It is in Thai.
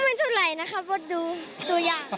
ไม่เท่าไหร่นะครับเพราะดูตัวอย่าง